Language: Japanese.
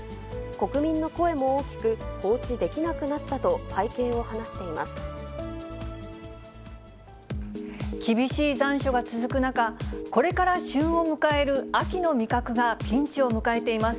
国民の声も大きく、放置できなく厳しい残暑が続く中、これから旬を迎える秋の味覚がピンチを迎えています。